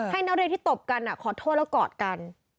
ให้นักเรียนที่ตบกันขอโทษแล้วกอดกัน